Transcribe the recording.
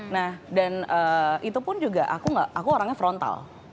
nah dan itu pun juga aku orangnya frontal